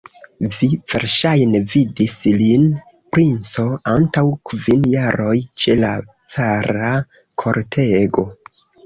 Vi verŝajne vidis lin, princo, antaŭ kvin jaroj, ĉe la cara kortego.